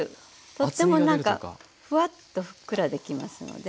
とっても何かふわっとふっくらできますので。